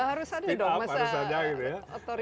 harus ada dong masa otoritanya nanti